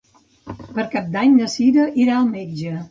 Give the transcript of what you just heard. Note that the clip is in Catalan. Per Cap d'Any na Cira irà al metge.